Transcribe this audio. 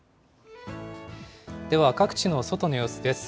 では各地の外の様子です。